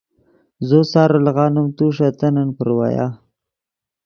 زو سارو لیغانیم تو ݰے تنن پراویا